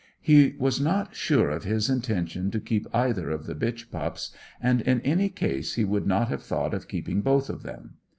He was not sure of his intention to keep either of the bitch pups, and in any case he would not have thought of keeping both of them.